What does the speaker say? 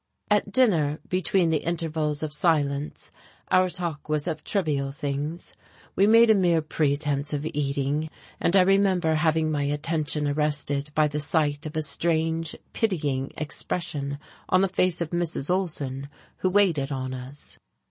At dinner, between the intervals of silence, our talk was of trivial things. We made a mere pretence of eating, and I remember having my attention arrested by the sight of a strange, pitying expression on the face of Mrs. Olsen, who waited on us.